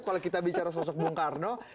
kalau kita bicara sosok bung karno